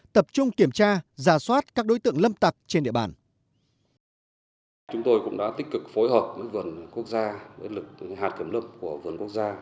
tập trung kiểm tra giả soát các đối tượng lâm tặc trên địa bàn